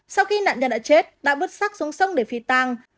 sau khi nạn nhân đã chết đã bước sắc xuống sông để phi tăng